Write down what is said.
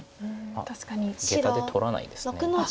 あっゲタで取らないですね。